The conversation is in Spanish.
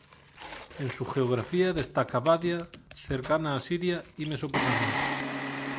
En su geografía destaca Badia, cercana a Siria y Mesopotamia.